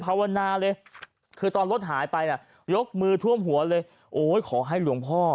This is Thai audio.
ภาวนาเลยคือตอนรถหายไปน่ะยกมือท่วมหัวเลยโอ้ยขอให้หลวงพ่อ